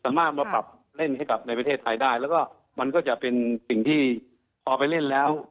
สามารถมาปรับเล่นให้กับในประเทศไทยได้แล้วก็มันก็จะเป็นสิ่งที่พอไปเล่นแล้ว